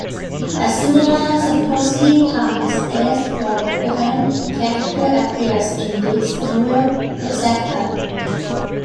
A similar, supposedly time-displaced "war veteran" character appears in Dick's novel "The Zap Gun".